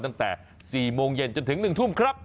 ตั้งแต่๔โมงเย็นจนถึง๑ทุ่มครับ